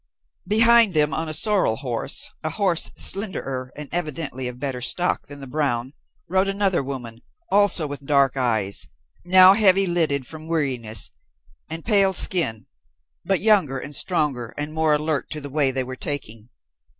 Behind them on a sorrel horse a horse slenderer and evidently of better stock than the brown rode another woman, also with dark eyes, now heavy lidded from weariness, and pale skin, but younger and stronger and more alert to the way they were taking.